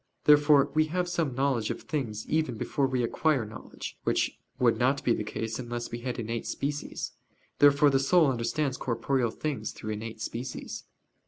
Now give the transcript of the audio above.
Therefore we have some knowledge of things even before we acquire knowledge; which would not be the case unless we had innate species. Therefore the soul understands corporeal things through innate species.